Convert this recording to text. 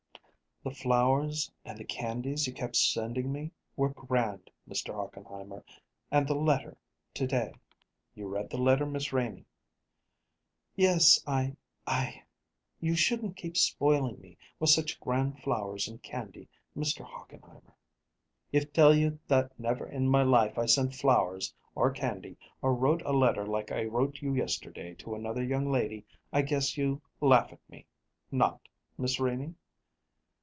"The flowers and the candies you kept sending me were grand, Mr. Hochenheimer and the letter to day." "You read the letter, Miss Renie?" "Yes, I I You shouldn't keep spoiling me with such grand flowers and candy, Mr. Hochenheimer." "If tell you that never in my life I sent flowers or candy, or wrote a letter like I wrote you yesterday, to another young lady, I guess you laugh at me not, Miss Renie?"